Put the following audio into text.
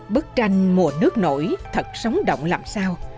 bức tranh mùa nước nổi thật sống động làm sao